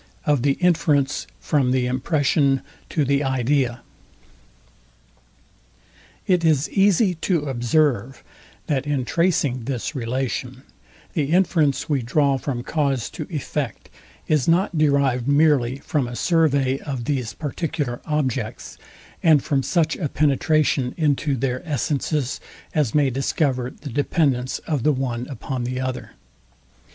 OF THE INFERENCE FROM THE IMPRESSION TO THE IDEA. It is easy to observe, that in tracing this relation, the inference we draw from cause to effect, is not derived merely from a survey of these particular objects, and from such a penetration into their essences as may discover the dependance of the one upon the other.